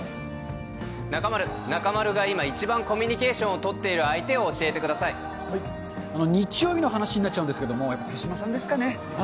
中丸、中丸が今一番コミュニケーションを取っている相手を教えてくださ日曜日の話になっちゃうんですけど、手嶋さんですかね。